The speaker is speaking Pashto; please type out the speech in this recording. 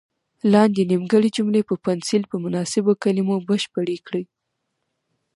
لاندې نیمګړې جملې په پنسل په مناسبو کلمو بشپړې کړئ.